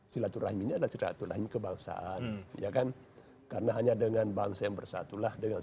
silaturahim ini ada seratus lain kebangsaan ya kan karena hanya dengan bangsa yang bersatulah dengan